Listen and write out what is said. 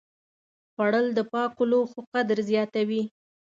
خوړل د پاکو لوښو قدر زیاتوي